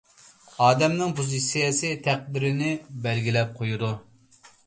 ئادەمنىڭ پوزىتسىيەسى تەقدىرىنى بەلگىلەپ قويىدۇ.